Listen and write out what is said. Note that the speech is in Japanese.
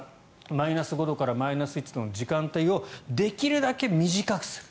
マイナス５度からマイナス１度の時間帯をできるだけ短くする。